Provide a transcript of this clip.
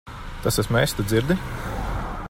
Tas esmu es. Tu dzirdi?